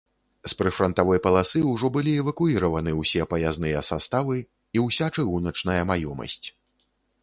З прыфрантавой паласы ўжо былі эвакуіраваны ўсе паязныя саставы і ўся чыгуначная маёмасць.